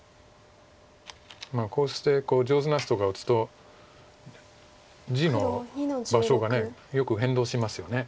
こうして上手な人が打つと地の場所がよく変動しますよね。